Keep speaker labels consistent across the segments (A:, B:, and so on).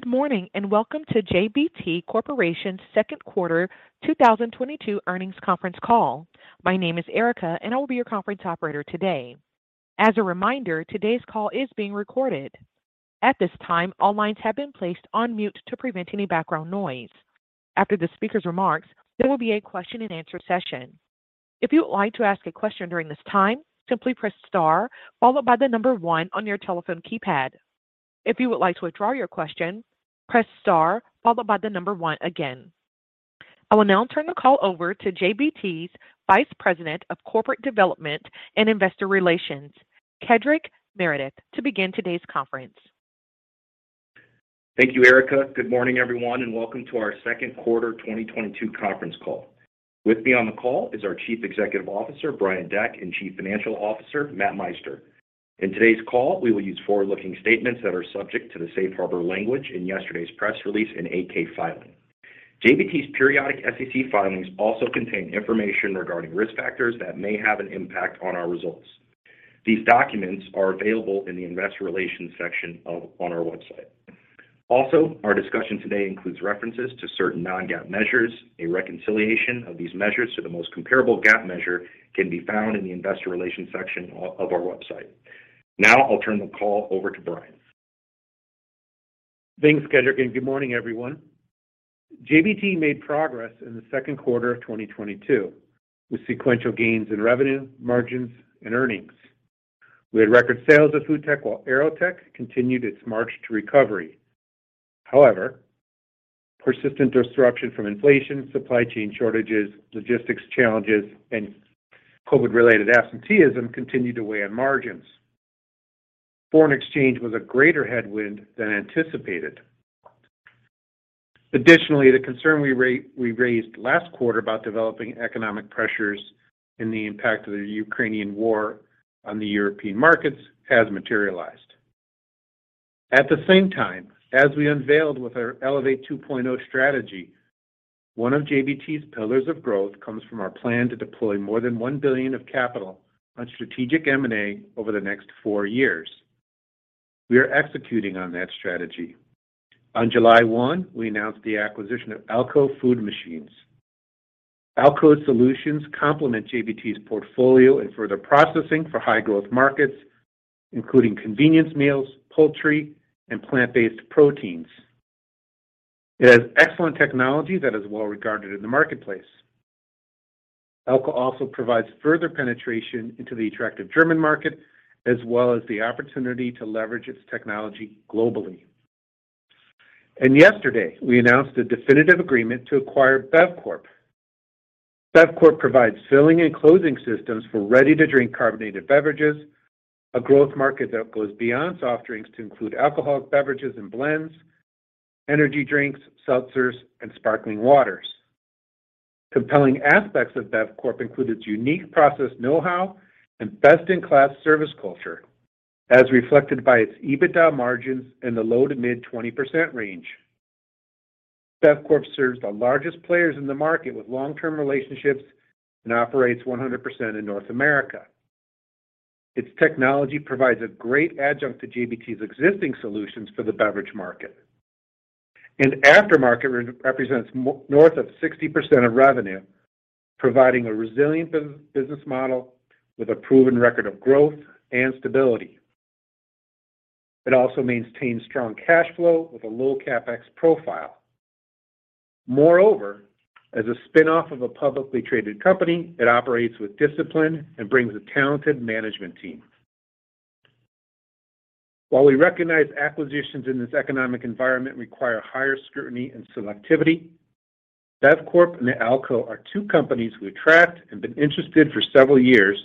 A: Good morning, and welcome to JBT Corporation's Q2 2022 earnings conference call. My name is Erica, and I will be your conference operator today. As a reminder, today's call is being recorded. At this time, all lines have been placed on mute to prevent any background noise. After the speaker's remarks, there will be a question-and-answer session. If you would like to ask a question during this time, simply press Star followed by the number 1 on your telephone keypad. If you would like to withdraw your question, press Star followed by the number 1 again. I will now turn the call over to JBT's Vice President of Corporate Development and Investor Relations, Kedric Meredith, to begin today's conference.
B: Thank you, Erica. Good morning, everyone, and welcome to our Q2 2022 conference call. With me on the call is our Chief Executive Officer, Brian Deck, and Chief Financial Officer, Matthew Meister. In today's call, we will use forward-looking statements that are subject to the safe harbor language in yesterday's press release and 8-K filing. JBT's periodic SEC filings also contain information regarding risk factors that may have an impact on our results. These documents are available in the investor relations section on our website. Also, our discussion today includes references to certain non-GAAP measures. A reconciliation of these measures to the most comparable GAAP measure can be found in the investor relations section of our website. Now I'll turn the call over to Brian.
C: Thanks, Kedric, and good morning, everyone. JBT made progress in the Q2 of 2022 with sequential gains in revenue, margins, and earnings. We had record sales of FoodTech while AeroTech continued its march to recovery. However, persistent disruption from inflation, supply chain shortages, logistics challenges, and COVID-related absenteeism continued to weigh on margins. Foreign exchange was a greater headwind than anticipated. Additionally, the concern we raised last quarter about developing economic pressures and the impact of the Ukrainian war on the European markets has materialized. At the same time, as we unveiled with our Elevate 2.0 strategy, one of JBT's pillars of growth comes from our plan to deploy more than $1 billion of capital on strategic M&A over the next four years. We are executing on that strategy. On July 1, we announced the acquisition of alco-food-machines. Alco's solutions complement JBT's portfolio and further processing for high-growth markets, including convenience meals, poultry, and plant-based proteins. It has excellent technology that is well-regarded in the marketplace. Alco also provides further penetration into the attractive German market, as well as the opportunity to leverage its technology globally. Yesterday, we announced a definitive agreement to acquire Bevcorp. Bevcorp provides filling and closing systems for ready-to-drink carbonated beverages, a growth market that goes beyond soft drinks to include alcoholic beverages and blends, energy drinks, seltzers, and sparkling waters. Compelling aspects of Bevcorp include its unique process know-how and best-in-class service culture, as reflected by its EBITDA margins in the low- to mid-20% range. Bevcorp serves the largest players in the market with long-term relationships and operates 100% in North America. Its technology provides a great adjunct to JBT's existing solutions for the beverage market. Aftermarket represents north of 60% of revenue, providing a resilient business model with a proven record of growth and stability. It also maintains strong cash flow with a low CapEx profile. Moreover, as a spin-off of a publicly traded company, it operates with discipline and brings a talented management team. While we recognize acquisitions in this economic environment require higher scrutiny and selectivity, Bevcorp and Alco are two companies we tracked and been interested for several years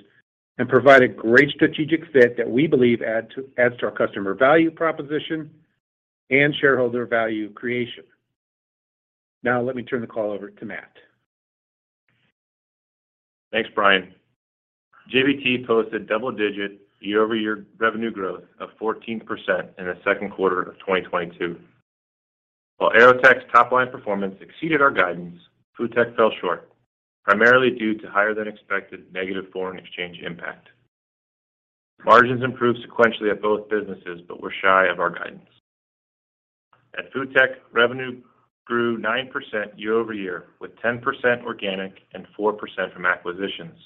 C: and provide a great strategic fit that we believe adds to our customer value proposition and shareholder value creation. Now let me turn the call over to Matt.
D: Thanks, Brian. JBT posted double-digit year-over-year revenue growth of 14% in the Q2 of 2022. While AeroTech's top-line performance exceeded our guidance, FoodTech fell short, primarily due to higher than expected negative foreign exchange impact. Margins improved sequentially at both businesses, but were shy of our guidance. At FoodTech, revenue grew 9% year-over-year, with 10% organic and 4% from acquisitions.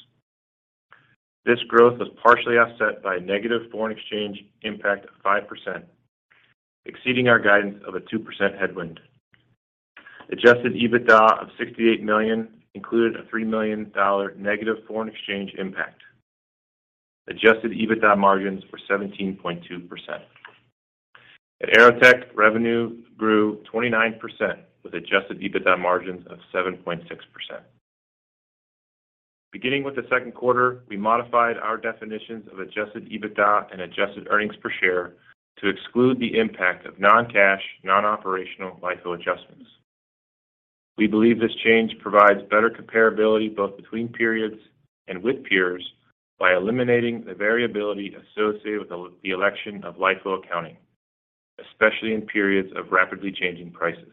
D: This growth was partially offset by negative foreign exchange impact of 5%, exceeding our guidance of a 2% headwind. Adjusted EBITDA of $68 million included a $3 million negative foreign exchange impact. Adjusted EBITDA margins were 17.2%. At AeroTech, revenue grew 29% with adjusted EBITDA margins of 7.6%. Beginning with the Q2, we modified our definitions of adjusted EBITDA and adjusted earnings per share to exclude the impact of non-cash, non-operational LIFO adjustments. We believe this change provides better comparability both between periods and with peers by eliminating the variability associated with the election of LIFO accounting, especially in periods of rapidly changing prices.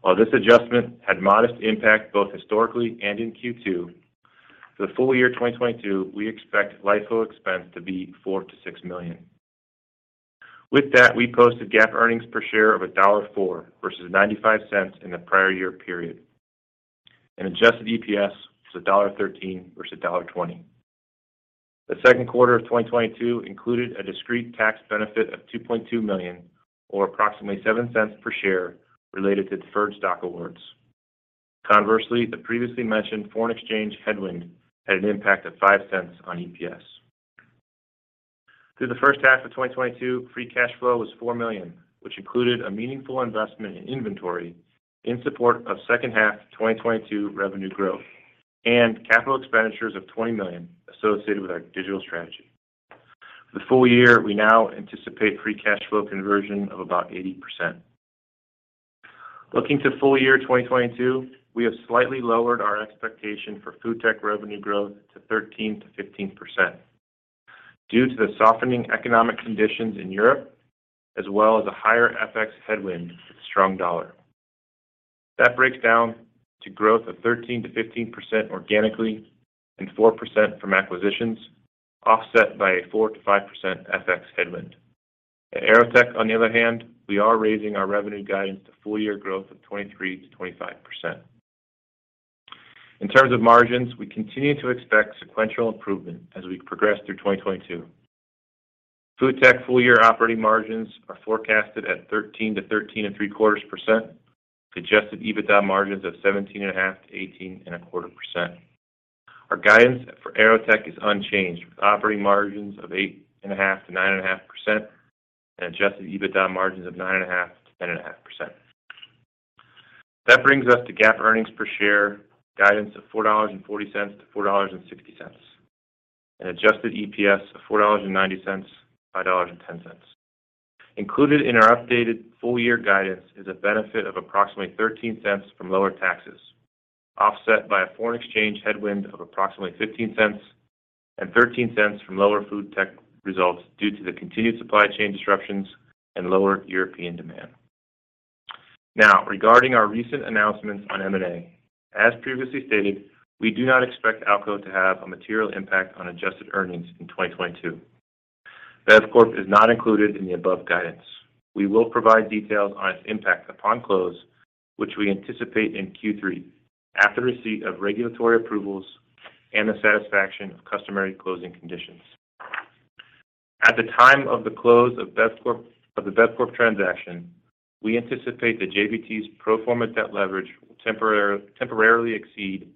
D: While this adjustment had modest impact both historically and in Q2, for the full year 2022, we expect LIFO expense to be $4 million-$6 million. With that, we posted GAAP earnings per share of $1.04 versus $0.95 in the prior year period, and adjusted EPS was $1.13 versus $1.20. The Q2 of 2022 included a discrete tax benefit of $2.2 million, or approximately $0.07 per share related to deferred stock awards. Conversely, the previously mentioned foreign exchange headwind had an impact of $0.05 on EPS. Through the first half of 2022, free cash flow was $4 million, which included a meaningful investment in inventory in support of second half of 2022 revenue growth and capital expenditures of $20 million associated with our digital strategy. For the full year, we now anticipate free cash flow conversion of about 80%. Looking to full year 2022, we have slightly lowered our expectation for FoodTech revenue growth to 13%-15% due to the softening economic conditions in Europe, as well as a higher FX headwind with strong dollar. That breaks down to growth of 13%-15% organically and 4% from acquisitions, offset by a 4%-5% FX headwind. At AeroTech, on the other hand, we are raising our revenue guidance to full year growth of 23%-25%. In terms of margins, we continue to expect sequential improvement as we progress through 2022. FoodTech full year operating margins are forecasted at 13%-13.75% to adjusted EBITDA margins of 17.5%-18.25%. Our guidance for AeroTech is unchanged, with operating margins of 8.5%-9.5% and adjusted EBITDA margins of 9.5%-10.5%. That brings us to GAAP earnings per share guidance of $4.40-$4.60 and adjusted EPS of $4.90-$5.10. Included in our updated full year guidance is a benefit of approximately $0.13 from lower taxes, offset by a foreign exchange headwind of approximately $0.15 and $0.13 from lower FoodTech results due to the continued supply chain disruptions and lower European demand. Now, regarding our recent announcements on M&A, as previously stated, we do not expect Alco to have a material impact on adjusted earnings in 2022. Bevcorp is not included in the above guidance. We will provide details on its impact upon close, which we anticipate in Q3 after receipt of regulatory approvals and the satisfaction of customary closing conditions. At the time of the close of the Bevcorp transaction, we anticipate JBT's pro forma debt leverage will temporarily exceed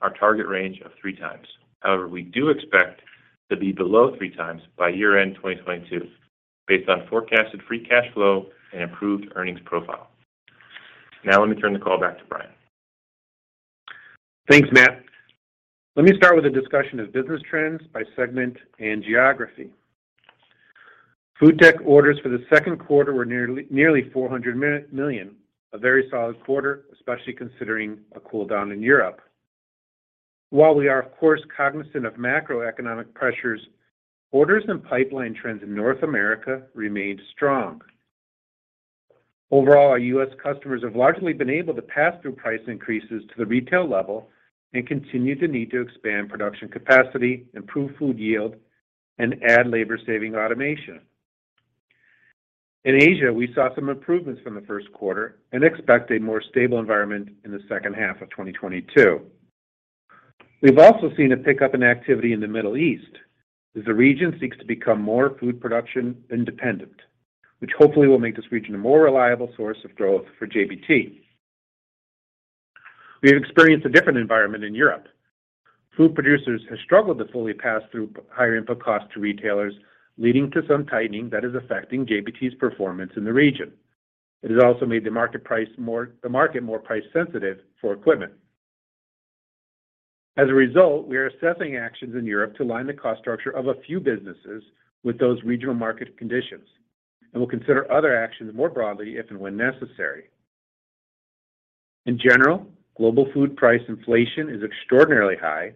D: our target range of 3x. However, we do expect to be below 3x by year-end 2022 based on forecasted free cash flow and improved earnings profile. Now, let me turn the call back to Brian.
C: Thanks, Matt. Let me start with a discussion of business trends by segment and geography. FoodTech orders for the Q2 were nearly $400 million, a very solid quarter, especially considering a cool down in Europe. While we are of course cognizant of macroeconomic pressures, orders and pipeline trends in North America remained strong. Overall, our US customers have largely been able to pass through price increases to the retail level and continue the need to expand production capacity, improve food yield, and add labor-saving automation. In Asia, we saw some improvements from the Q1 and expect a more stable environment in the second half of 2022. We've also seen a pickup in activity in the Middle East as the region seeks to become more food production independent, which hopefully will make this region a more reliable source of growth for JBT. We have experienced a different environment in Europe. Food producers have struggled to fully pass through higher input costs to retailers, leading to some tightening that is affecting JBT's performance in the region. It has also made the market more price-sensitive for equipment. As a result, we are assessing actions in Europe to align the cost structure of a few businesses with those regional market conditions, and we'll consider other actions more broadly if and when necessary. In general, global food price inflation is extraordinarily high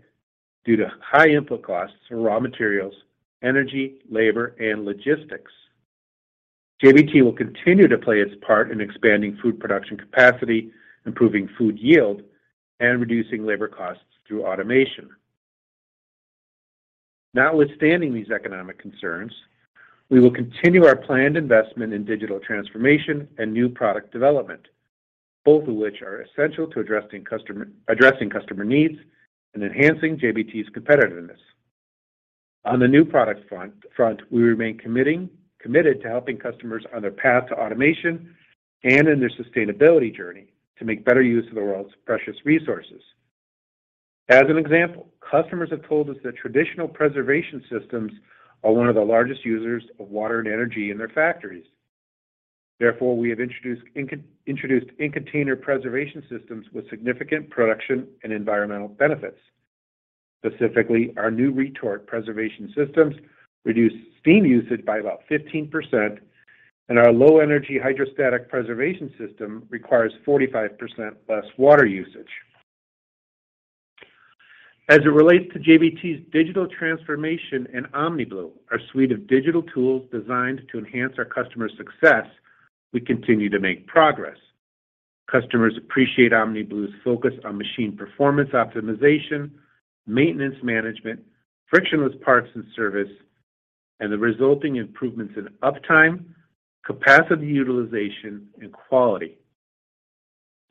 C: due to high input costs for raw materials, energy, labor, and logistics. JBT will continue to play its part in expanding food production capacity, improving food yield, and reducing labor costs through automation. Notwithstanding these economic concerns, we will continue our planned investment in digital transformation and new product development, both of which are essential to addressing customer needs and enhancing JBT's competitiveness. On the new product front, we remain committed to helping customers on their path to automation and in their sustainability journey to make better use of the world's precious resources. As an example, customers have told us that traditional preservation systems are one of the largest users of water and energy in their factories. Therefore, we have introduced in-container preservation systems with significant production and environmental benefits. Specifically, our new retort preservation systems reduce steam usage by about 15%, and our low-energy hydrostatic preservation system requires 45% less water usage. As it relates to JBT's digital transformation and OmniBlu, our suite of digital tools designed to enhance our customer success, we continue to make progress. Customers appreciate OmniBlu's focus on machine performance optimization, maintenance management, frictionless parts and service, and the resulting improvements in uptime, capacity utilization, and quality.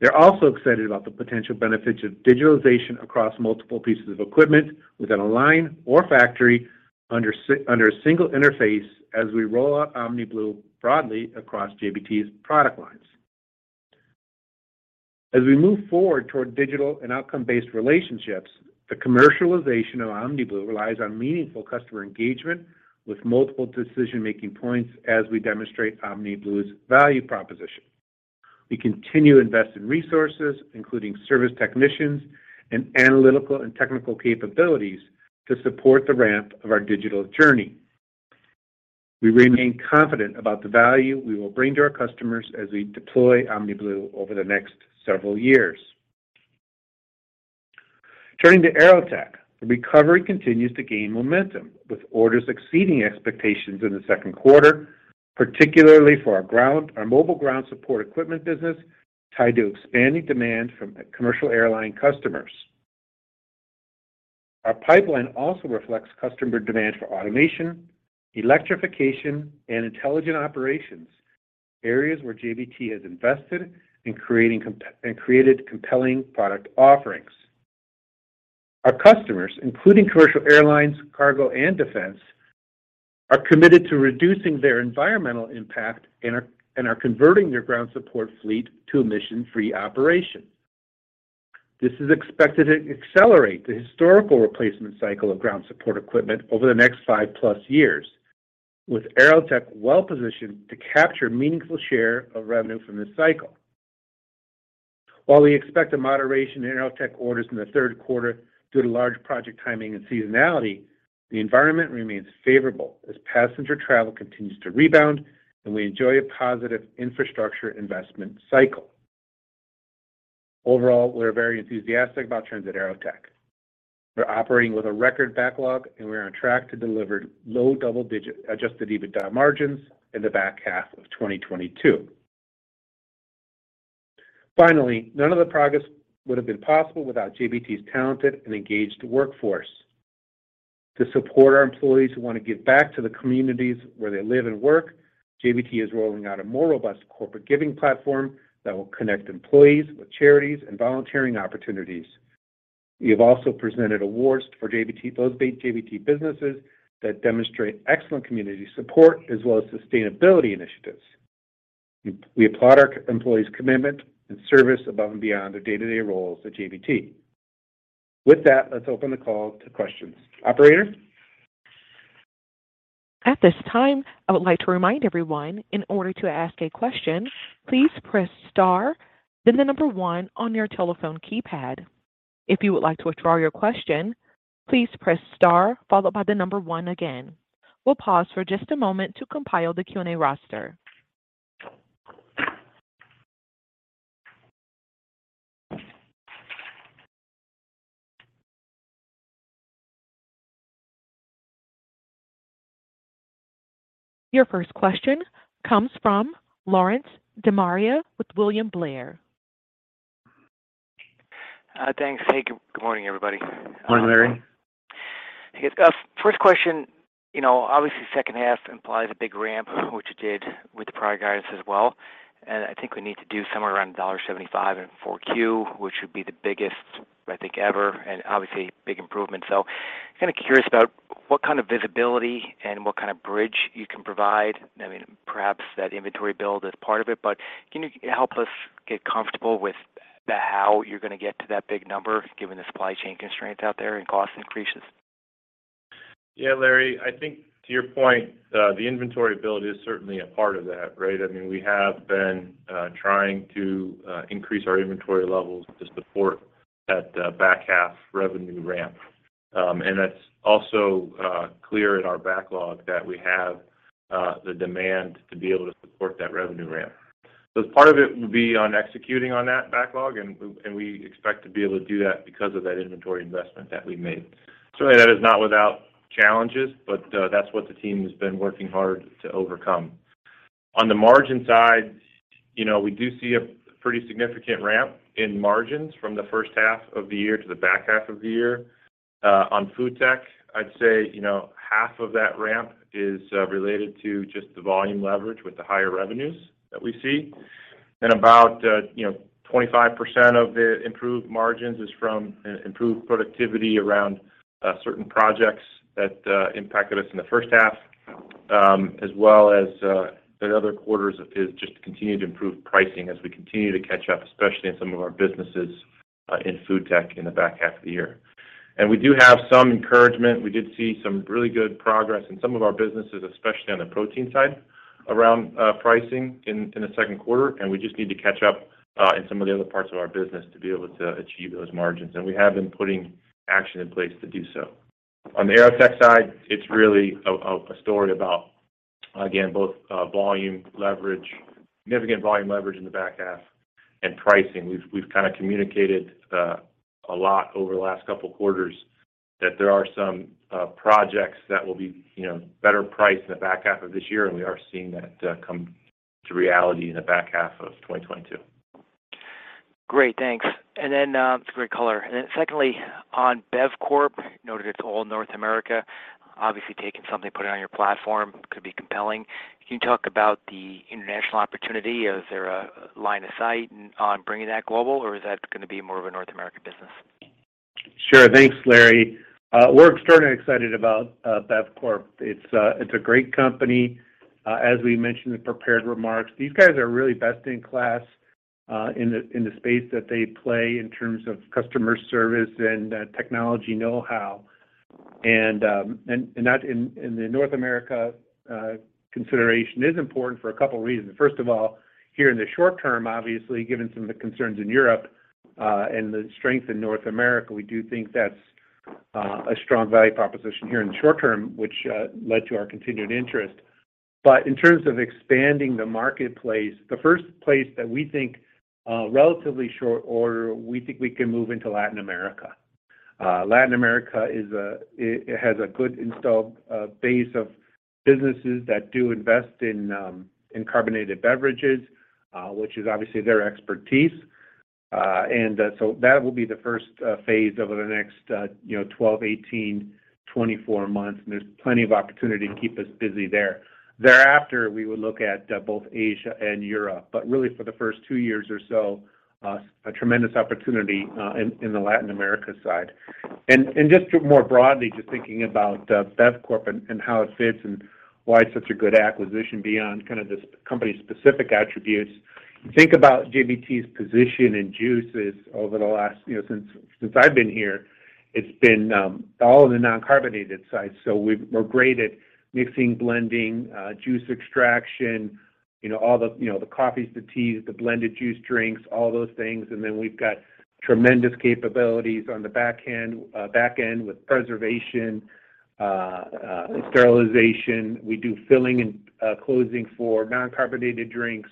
C: They're also excited about the potential benefits of digitalization across multiple pieces of equipment within a line or factory under a single interface as we roll out OmniBlu broadly across JBT's product lines. As we move forward toward digital and outcome-based relationships, the commercialization of OmniBlu relies on meaningful customer engagement with multiple decision-making points as we demonstrate OmniBlu's value proposition. We continue to invest in resources, including service technicians and analytical and technical capabilities to support the ramp of our digital journey. We remain confident about the value we will bring to our customers as we deploy OmniBlu over the next several years. Turning to AeroTech, the recovery continues to gain momentum, with orders exceeding expectations in the Q2 particularly for our mobile ground support equipment business tied to expanding demand from commercial airline customers. Our pipeline also reflects customer demand for automation, electrification, and intelligent operations, areas where JBT has invested in and created compelling product offerings. Our customers, including commercial airlines, cargo, and defense, are committed to reducing their environmental impact and are converting their ground support fleet to emission-free operations. This is expected to accelerate the historical replacement cycle of ground support equipment over the next 5+ years, with AeroTech well-positioned to capture meaningful share of revenue from this cycle. While we expect a moderation in AeroTech orders in the Q3r due to large project timing and seasonality, the environment remains favorable as passenger travel continues to rebound and we enjoy a positive infrastructure investment cycle. Overall, we're very enthusiastic about trends at AeroTech. We're operating with a record backlog, and we're on track to deliver low double-digit Adjusted EBITDA margins in the back half of 2022. Finally, none of the progress would have been possible without JBT's talented and engaged workforce. To support our employees who want to give back to the communities where they live and work, JBT is rolling out a more robust corporate giving platform that will connect employees with charities and volunteering opportunities. We have also presented awards for JBT, those JBT businesses that demonstrate excellent community support as well as sustainability initiatives. We applaud our employees' commitment and service above and beyond their day-to-day roles at JBT. With that, let's open the call to questions. Operator?
A: At this time, I would like to remind everyone in order to ask a question, please press star, then 1 on your telephone keypad. If you would like to withdraw your question, please press star followed by 1 again. We'll pause for just a moment to compile the Q&A roster. Your first question comes from Lawrence DeMaria with William Blair.
E: Thanks. Hey, good morning, everybody.
C: Morning, Larry.
E: Hey, first question. Obviously, second half implies a big ramp, which you did with the product guidance as well. I think we need to do somewhere around $75 in Q4, which would be the biggest, I think, ever, and obviously big improvement. Kind of curious about what kind of visibility and what kind of bridge you can provide. I mean, perhaps that inventory build is part of it, but can you help us get comfortable with how you're going to get to that big number given the supply chain constraints out there and cost increases?
C: Yeah, Lawrence, I think to your point, the inventory build is certainly a part of that, right? I mean, we have been trying to increase our inventory levels to support that back half revenue ramp. That's also clear in our backlog that we have the demand to be able to support that revenue ramp. Part of it will be on executing on that backlog, and we expect to be able to do that because of that inventory investment that we made. Certainly, that is not without challenges, but that's what the team has been working hard to overcome. On the margin side, we do see a pretty significant ramp in margins from the first half of the year to the back half of the year. On FoodTech, I'd say, half of that ramp is related to just the volume leverage with the higher revenues that we see. About, 25% of the improved margins is from improved productivity around certain projects that impacted us in the first half, as well as in other quarters is just continued improved pricing as we continue to catch up, especially in some of our businesses in FoodTech in the back half of the year. We do have some encouragement. We did see some really good progress in some of our businesses, especially on the protein side around pricing in the Q2 We just need to catch up in some of the other parts of our business to be able to achieve those margins. We have been putting action in place to do so. On the AeroTech side, it's really a story about again, both volume leverage, significant volume leverage in the back half and pricing. We've kind of communicated a lot over the last couple quarters that there are some projects that will be, better priced in the back half of this year, and we are seeing that come to reality in the back half of 2022.
E: Great. Thanks. It's a great color. Secondly, on Bevcorp, noted it's all North America, obviously taking something, putting it on your platform could be compelling. Can you talk about the international opportunity? Is there a line of sight on bringing that global, or is that gonna be more of a North American business?
C: Sure. Thanks, Lawrence. We're extremely excited about Bevcorp. It's a great company. As we mentioned in prepared remarks, these guys are really best in class in the space that they play in terms of customer service and technology know-how. And that in North America consideration is important for a couple reasons. First of all, here in the short term, obviously, given some of the concerns in Europe and the strength in North America, we do think that's a strong value proposition here in the short term, which led to our continued interest. In terms of expanding the marketplace, the first place that we think, relatively short order, we think we can move into Latin America. Latin America has a good installed base of businesses that do invest in carbonated beverages, which is obviously their expertise. That will be the first phase over the next,, 12, 18, 24 months, and there's plenty of opportunity to keep us busy there. Thereafter, we would look at both Asia and Europe. Really for the firstt two years or so, a tremendous opportunity in the Latin America side. Just more broadly, just thinking about Bevcorp and how it fits and why it's such a good acquisition beyond kind of the company's specific attributes, think about JBT's position in juices over the last, since I've been here. It's been all of the non-carbonated sides. We're great at mixing, blending, juice extraction, you know, all the, you know, the coffees, the teas, the blended juice drinks, all those things. We've got tremendous capabilities on the back end with preservation, sterilization. We do filling and closing for non-carbonated drinks.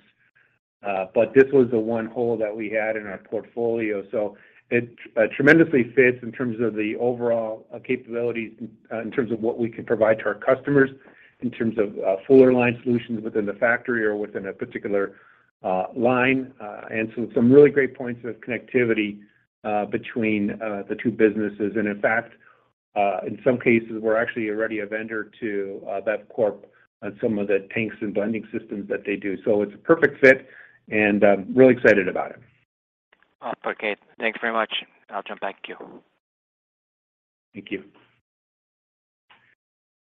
C: This was the one hole that we had in our portfolio. It tremendously fits in terms of the overall capabilities in terms of what we can provide to our customers in terms of fuller line solutions within the factory or within a particular line, and some really great points of connectivity between the two businesses. In fact, in some cases, we're actually already a vendor to Bevcorp on some of the tanks and blending systems that they do. It's a perfect fit and really excited about it.
E: Awesome. Okay. Thanks very much. I'll jump back to you.
C: Thank you.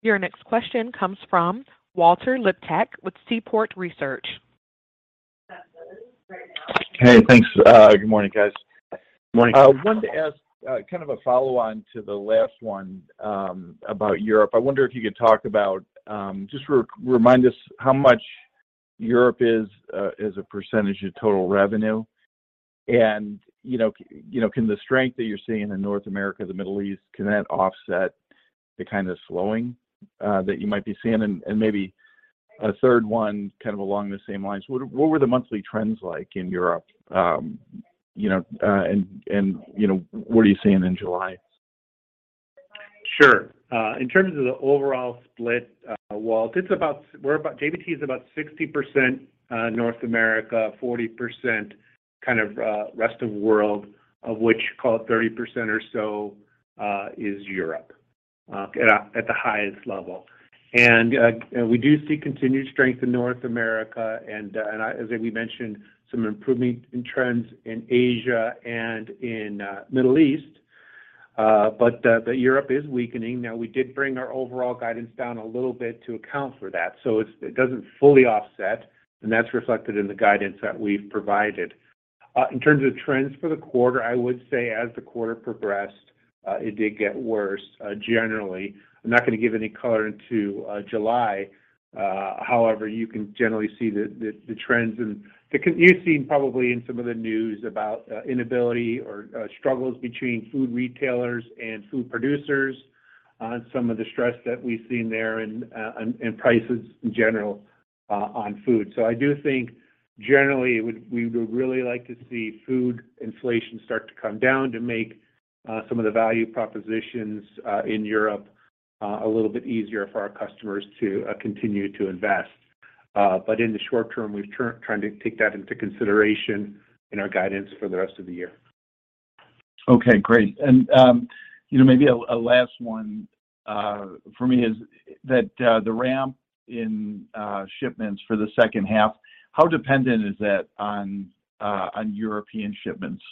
A: Your next question comes from Walter Liptak with Seaport Research.
F: Hey, thanks. Good morning, guys.
C: Morning.
F: I wanted to ask kind of a follow-on to the last one about Europe. I wonder if you could talk about just remind us how much Europe is as a percentage of total revenue. Can the strength that you're seeing in North America, the Middle East, can that offset the kind of slowing that you might be seeing? Maybe a third one kind of along the same lines, what were the monthly trends like in Europe? You know, and what are you seeing in July?
C: Sure. In terms of the overall split, Walt, JBT is about 60% North America, 40% kind of rest of world, of which, call it 30% or so is Europe at the highest level. We do see continued strength in North America and as we mentioned, some improvement in trends in Asia and in Middle East. But Europe is weakening. Now, we did bring our overall guidance down a little bit to account for that. It doesn't fully offset, and that's reflected in the guidance that we've provided. In terms of trends for the quarter, I would say as the quarter progressed, it did get worse generally. I'm not gonna give any color into July. However, you can generally see the trends and the context you've seen probably in some of the news about inability or struggles between food retailers and food producers on some of the stress that we've seen there and prices in general on food. I do think generally we would really like to see food inflation start to come down to make some of the value propositions in Europe a little bit easier for our customers to continue to invest. In the short term, we're trying to take that into consideration in our guidance for the rest of the year.
F: Okay, great. Maybe a last one for me is that the ramp in shipments for the second half, how dependent is that on European shipments?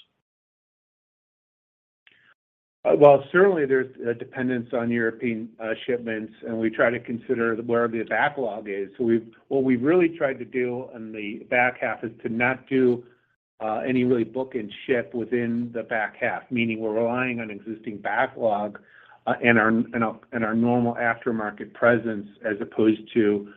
C: Well, certainly there's a dependence on European shipments, and we try to consider where the backlog is. What we've really tried to do in the back half is to not do any really book and ship within the back half, meaning we're relying on existing backlog and our normal aftermarket presence as opposed to,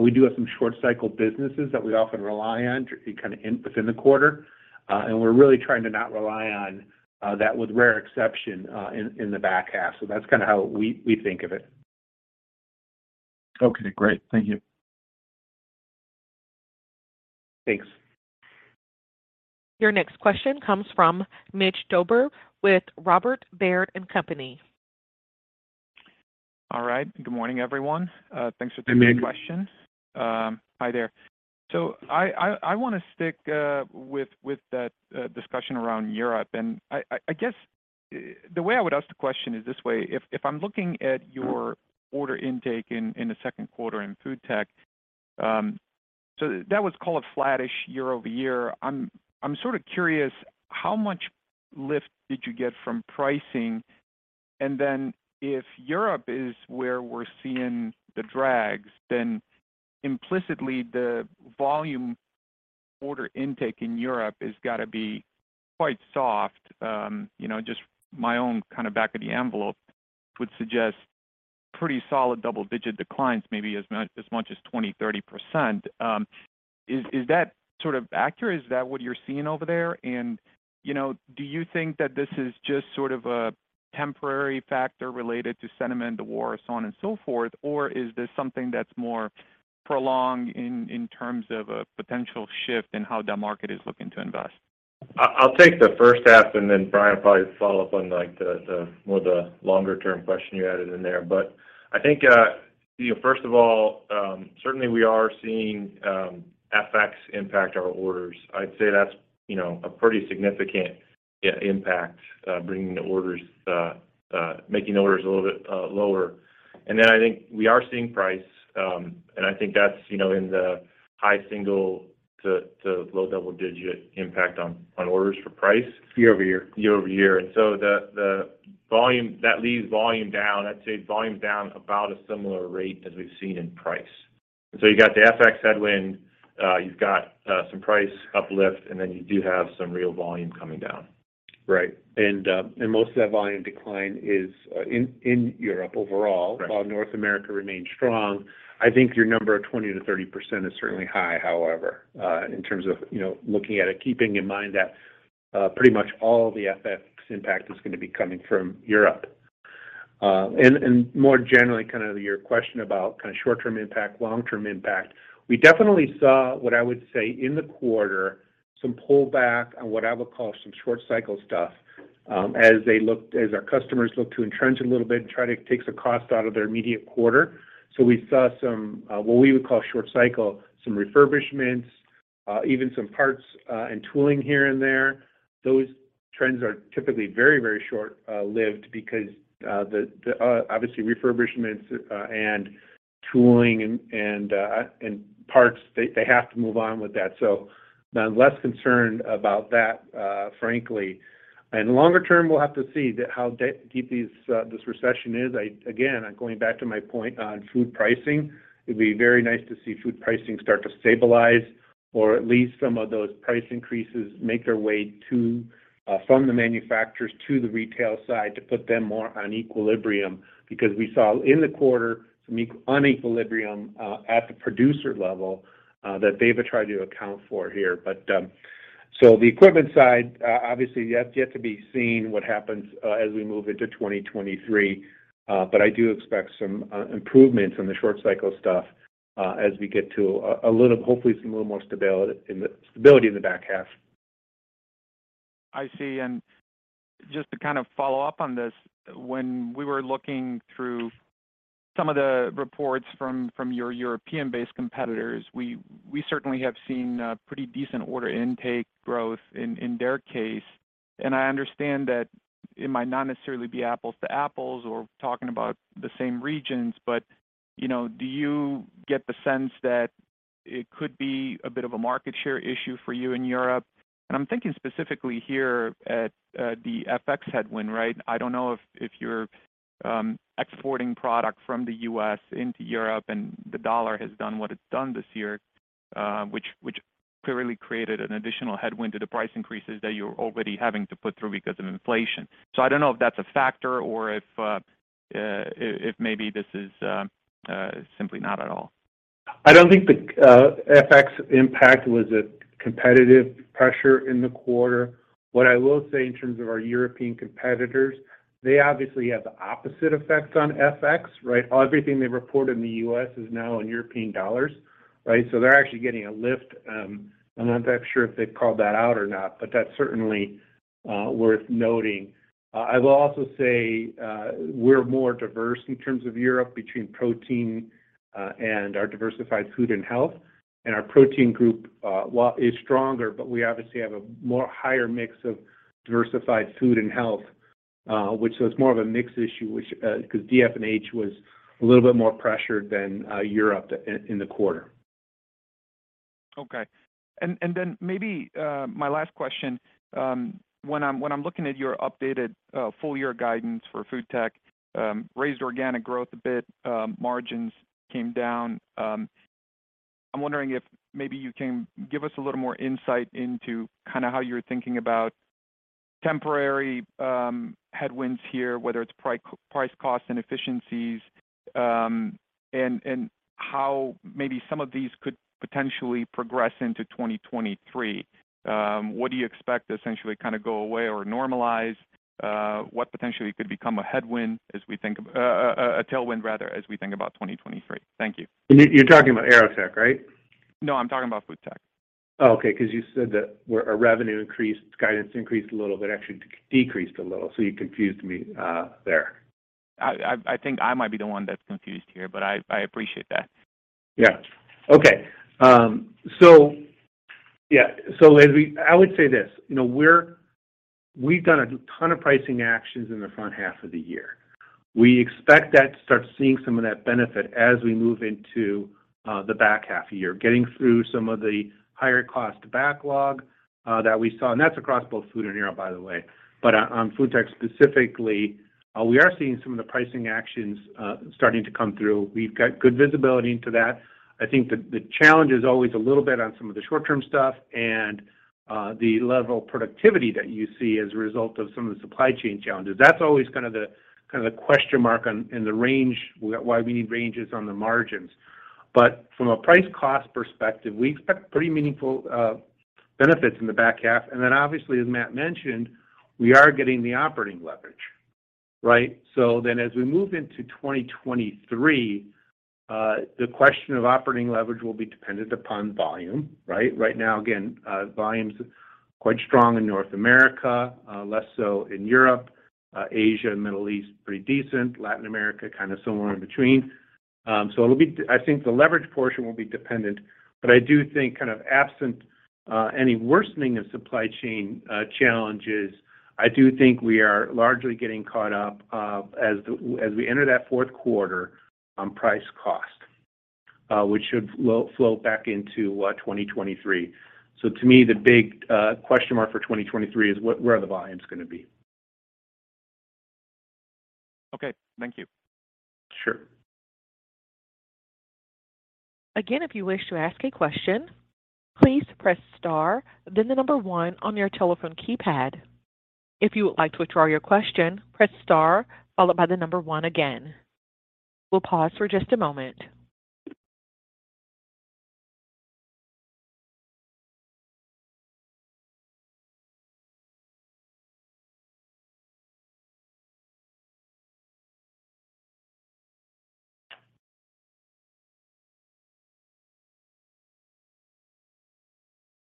C: we do have some short cycle businesses that we often rely on to be kinda in the quarter. We're really trying to not rely on that with rare exception in the back half. That's kinda how we think of it.
F: Okay, great. Thank you.
C: Thanks.
A: Your next question comes from Mircea Dobre with Robert W. Baird & Co.
G: All right. Good morning, everyone. Thanks for taking my question. Hi there. I wanna stick with that discussion around Europe. I guess the way I would ask the question is this way: if I'm looking at your order intake in the Q2 in FoodTech, that was called flattish year-over-year. I'm sorta curious, how much lift did you get from pricing? Then if Europe is where we're seeing the drags, implicitly, the volume order intake in Europe has gotta be quite soft. Just my own kind of back of the envelope would suggest pretty solid double-digit declines, maybe as much as 20%-30%. Is that sort of accurate? Is that what you're seeing over there? Do you think that this is just sort of a temporary factor related to sentiment, the war, so on and so forth? Or is this something that's more prolonged in terms of a potential shift in how that market is looking to invest?
D: I'll take the first half, and then Brian will probably follow up on, like, the more longer-term question you added in there. I think, first of all, certainly we are seeing FX impact our orders. I'd say that's, a pretty significant impact making the orders a little bit lower. I think we are seeing pricing, and I think that's, in the high single-digit to low double-digit impact on orders for pricing. Year-over-year. Year-over-year. That leaves volume down. I'd say volume's down about a similar rate as we've seen in price. You got the FX headwind. You've got some price uplift, and then you do have some real volume coming down.
C: Right. Most of that volume decline is in Europe overall. Right. While North America remains strong. I think your number of 20%-30% is certainly high, however, in terms of, looking at it. Keeping in mind that, pretty much all the FX impact is gonna be coming from Europe. And more generally kind of your question about kinda short-term impact, long-term impact. We definitely saw, what I would say, in the quarter, some pullback on what I would call some short cycle stuff, as our customers looked to entrench a little bit and try to take some cost out of their immediate quarter. We saw some, what we would call short cycle, some refurbishments, even some parts, and tooling here and there. Those trends are typically very, very short lived because obviously refurbishments and tooling and parts they have to move on with that. I'm less concerned about that, frankly. Longer term, we'll have to see how deep this recession is. I again, I'm going back to my point on food pricing. It'd be very nice to see food pricing start to stabilize, or at least some of those price increases make their way from the manufacturers to the retail side to put them more in equilibrium. Because we saw in the quarter some disequilibrium at the producer level that they've tried to account for here. The equipment side, obviously, that's yet to be seen what happens as we move into 2023. I do expect some improvements in the short cycle stuff as we get to a little, hopefully see a little more stability in the back half.
G: I see. Just to kind of follow up on this, when we were looking through some of the reports from your European-based competitors, we certainly have seen pretty decent order intake growth in their case. I understand that it might not necessarily be apples to apples or talking about the same regions, but do you get the sense that it could be a bit of a market share issue for you in Europe? I'm thinking specifically here at the FX headwind, right? I don't know if you're exporting product from the U.S. into Europe and the dollar has done what it's done this year, which clearly created an additional headwind to the price increases that you're already having to put through because of inflation. I don't know if that's a factor or if maybe this is simply not at all.
C: I don't think the FX impact was a competitive pressure in the quarter. What I will say in terms of our European competitors, they obviously have the opposite effect on FX, right? Everything they report in the US is now in European dollars, right? So they're actually getting a lift. I'm not that sure if they've called that out or not, but that's certainly worth noting. I will also say, we're more diverse in terms of Europe between protein and our diversified food and health. Our protein group while is stronger, but we obviously have a more higher mix of diversified food and health, which was more of a mix issue, which 'cause DF&H was a little bit more pressured than Europe in the quarter.
G: Okay. Then maybe my last question. When I'm looking at your updated full-year guidance for FoodTech, raised organic growth a bit, margins came down. I'm wondering if maybe you can give us a little more insight into kinda how you're thinking about temporary headwinds here, whether it's price, costs and efficiencies, and how maybe some of these could potentially progress into 2023. What do you expect to essentially kinda go away or normalize? What potentially could become a headwind as we think about a tailwind, rather, as we think about 2023? Thank you.
C: You're talking about AeroTech, right?
G: No, I'm talking about FoodTech.
C: Oh, okay, 'cause you said that our revenue increased, guidance increased a little, but actually decreased a little, so you confused me there.
G: I think I might be the one that's confused here, but I appreciate that.
C: I would say this, we've done a ton of pricing actions in the front half of the year. We expect that to start seeing some of that benefit as we move into the back half of the year, getting through some of the higher cost backlog that we saw, and that's across both Food and Aero, by the way. On FoodTech specifically, we are seeing some of the pricing actions starting to come through. We've got good visibility into that. I think the challenge is always a little bit on some of the short-term stuff and the level of productivity that you see as a result of some of the supply chain challenges. That's always kind of the question mark on in the range, why we need ranges on the margins. From a price cost perspective, we expect pretty meaningful benefits in the back half. Obviously, as Matt mentioned, we are getting the operating leverage, right? As we move into 2023, the question of operating leverage will be dependent upon volume, right? Right now, again, volume's quite strong in North America, less so in Europe. Asia and Middle East, pretty decent. Latin America, kinda somewhere in between. I think the leverage portion will be dependent, but I do think kind of absent any worsening of supply chain challenges, I do think we are largely getting caught up as we enter thatQ4 on price cost, which should flow back into 2023. To me, the big question mark for 2023 is where are the volumes gonna be.
G: Okay. Thank you.
C: Sure.
A: Again, if you wish to ask a question, please press star, then the number 1 on your telephone keypad. If you would like to withdraw your question, press star followed by the number 1 again. We'll pause for just a moment.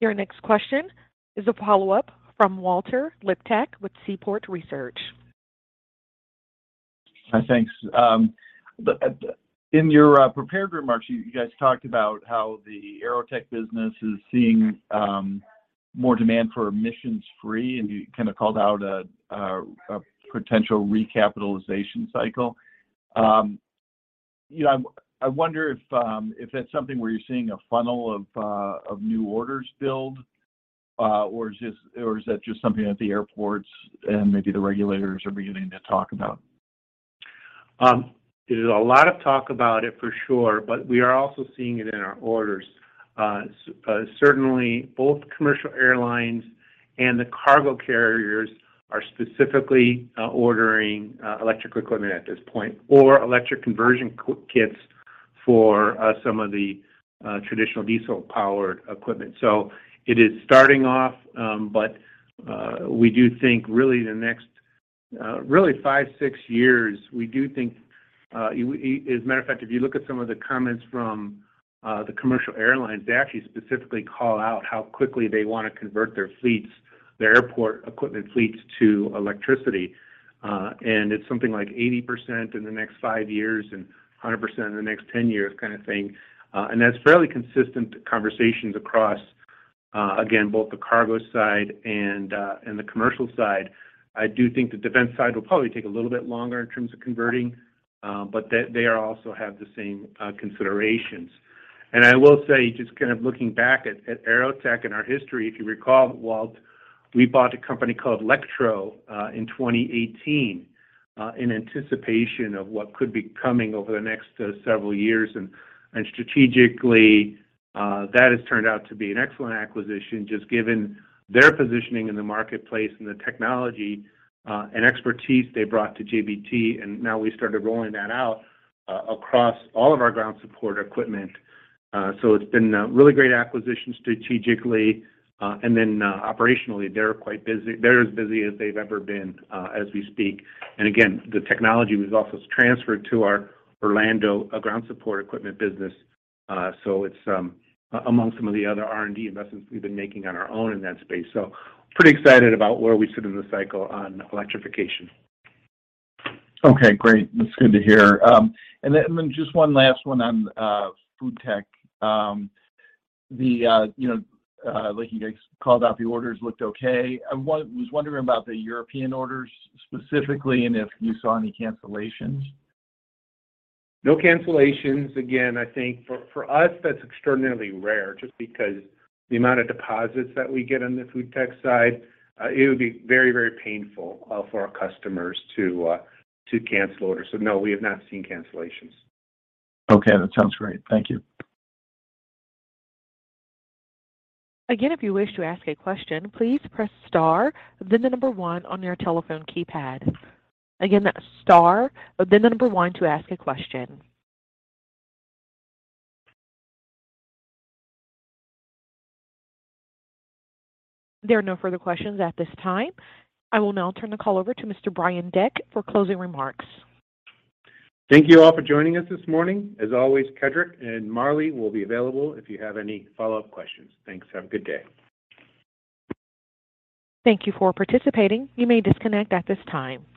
A: Your next question is a follow-up from Walter Liptak with Seaport Research Partners.
F: Hi. Thanks. In your prepared remarks, you guys talked about how the AeroTech business is seeing more demand for emissions-free, and you kinda called out a potential recapitalization cycle. I wonder if that's something where you're seeing a funnel of new orders build, or is that just something that the airports and maybe the regulators are beginning to talk about?
C: There's a lot of talk about it for sure, but we are also seeing it in our orders. Certainly both commercial airlines and the cargo carriers are specifically ordering electric equipment at this point or electric conversion kits for some of the traditional diesel-powered equipment. It is starting off, but we do think really the next five, six years. As a matter of fact, if you look at some of the comments from the commercial airlines, they actually specifically call out how quickly they wanna convert their fleets, their airport equipment fleets to electricity. It's something like 80% in the next five years and 100% in the next 10 years kinda thing. That's fairly consistent conversations across, again, both the cargo side and the commercial side. I do think the defense side will probably take a little bit longer in terms of converting, but they also have the same considerations. I will say, just kind of looking back at AeroTech and our history, if you recall, Walt, we bought a company called LEKTRO in 2018 in anticipation of what could be coming over the next several years. Strategically, that has turned out to be an excellent acquisition, just given their positioning in the marketplace and the technology and expertise they brought to JBT. Now we started rolling that out across all of our ground support equipment. It's been a really great acquisition strategically. operationally, they're quite busy. They're as busy as they've ever been, as we speak. The technology was also transferred to our Orlando ground support equipment business, so it's among some of the other R&D investments we've been making on our own in that space. Pretty excited about where we sit in the cycle on electrification.
F: Okay, great. That's good to hear. Just one last one on FoodTech. You know, like you guys called out, the orders looked okay. I was wondering about the European orders specifically and if you saw any cancellations.
C: No cancellations. Again, I think for us, that's extraordinarily rare just because the amount of deposits that we get on the FoodTech side, it would be very, very painful for our customers to cancel orders. So no, we have not seen cancellations.
F: Okay. That sounds great. Thank you.
A: Again, if you wish to ask a question, please press star, then the number 1 on your telephone keypad. Again, that's star, then the number 1 to ask a question. There are no further questions at this time. I will now turn the call over to Mr. Brian Deck for closing remarks.
C: Thank you all for joining us this morning. As always, Kedric and Marlee will be available if you have any follow-up questions. Thanks. Have a good day.
A: Thank you for participating. You may disconnect at this time.
G: Thank you.